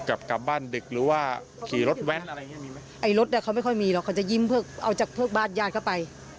อันนี้ที่ญาติบอกนะคะ